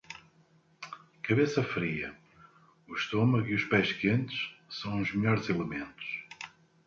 A cabeça fria, o estômago e os pés quentes são os melhores elementos.